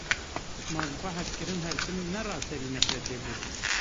Ma jixwe hezkirin her tim ne raserî nefretê bû?